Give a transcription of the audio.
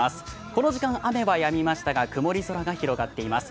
この時間、雨はやみましたが曇り空が広がっています。